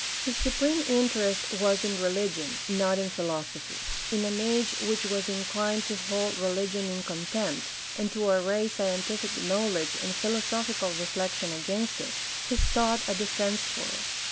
His supreme interest was in religion, not in philosophy. In an age which was inclined to hold religion in contempt, and to array scientific knowledge and philosophical reflection against it, he sought a defense for it.